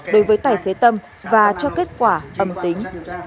đối với tài xế tâm và cho kết quả âm tính